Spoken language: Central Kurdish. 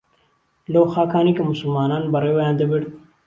لەو خاکانەی کە موسڵمانان بەڕێوەیان دەبرد